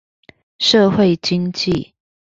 社會經濟